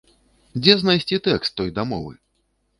Дзе знайсці тэкст той дамовы?